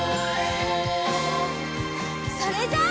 それじゃあ。